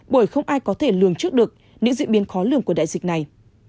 bởi không ai có thể lường trước được những diễn biến khó lường của đại dịch này